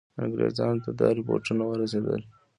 انګرېزانو ته دا رپوټونه ورسېدل.